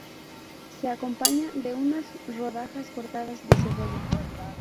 Se acompaña de unas rodajas cortadas de cebolla.